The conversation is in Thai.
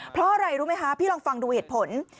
เพราะอะไรรู้ไหมคะพี่ลองฟังดูเหตุผล